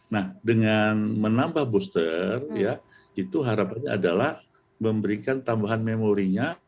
nah dengan menambah booster ya itu harapannya adalah memberikan tambahan memorinya